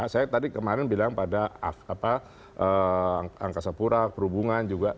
saya tadi kemarin bilang pada angkasa pura perhubungan juga